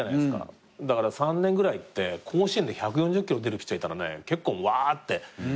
だから３年ぐらいって甲子園で１４０キロ出るピッチャーいたらね結構わーって「誰々が１４０キロ！」